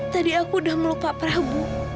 tadi aku udah meluk pak prabu